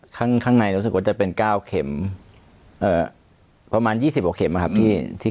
ข้างข้างในรู้สึกว่าจะเป็นเก้าเข็มเอ่อประมาณยี่สิบหกเข็มนะครับที่ที่